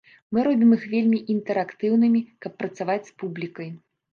Мы робім іх вельмі інтэрактыўнымі, каб працаваць з публікай.